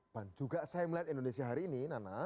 dan juga saya melihat indonesia hari ini